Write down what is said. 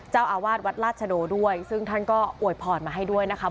เจ้าอาวาสวัดราชโดด้วยซึ่งท่านก็อวยพรมาให้ด้วยนะคะ